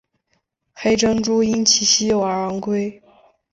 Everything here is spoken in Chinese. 黑珍珠因其稀有而昂贵。